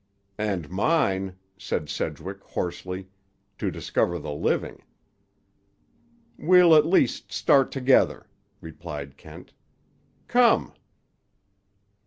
"And mine," said Sedgwick hoarsely, "to discover the living." "We'll at least start together," replied Kent. "Come!"